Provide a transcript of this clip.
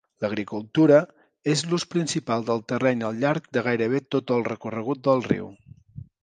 L'agricultura és l'ús principal del terreny al llarg de gairebé tot el recorregut del riu.